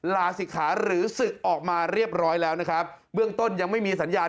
ลาศิกขาหรือศึกออกมาเรียบร้อยแล้วนะครับเบื้องต้นยังไม่มีสัญญาณ